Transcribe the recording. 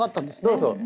そうそう。